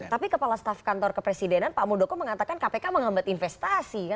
tapi kepala staf kantor kepresidenan pak muldoko mengatakan kpk menghambat investasi kan